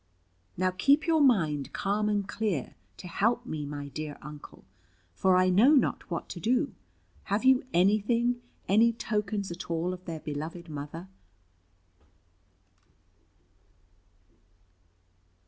"Now, keep your mind calm and clear, to help me, my dear Uncle; for I know not what to do. Have you anything, any tokens at all, of their beloved mother?"